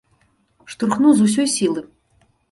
Штурхнуў з усёй сілы.